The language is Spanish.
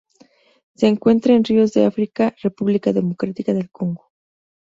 Se encuentran en ríos de África:República Democrática del Congo.